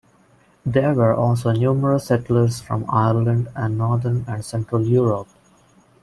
There were also numerous settlers from Ireland and Northern and Central Europe.